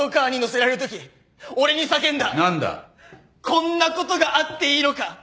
こんなことがあっていいのか？